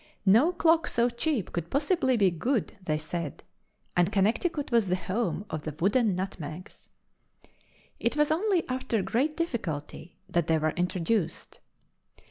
No clock so cheap could possibly be good, they said, and Connecticut was the home of "the wooden nutmegs." It was only after great difficulty that they were introduced.